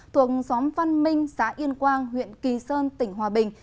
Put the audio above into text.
thuộc xóm văn minh xã yên quang huyện kỳ sơn tỉnh hòa bình